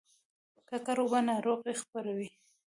ککړې اوبه ناروغي خپروي